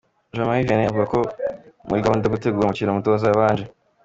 Jean Marie Vianney avuga ko muri gahunda yo gutegura umukino umutoza yabanje.